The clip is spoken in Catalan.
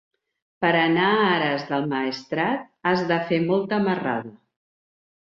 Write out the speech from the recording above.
Per anar a Ares del Maestrat has de fer molta marrada.